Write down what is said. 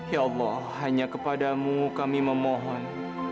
ya allah hanya kepadamu kami memohon